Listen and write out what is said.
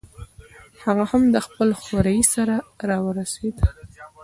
هغه هم له خپل خوریي سره راورسېد.